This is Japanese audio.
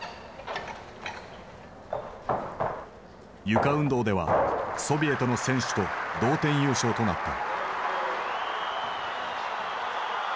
床運動ではソビエトの選手と同点優勝となった。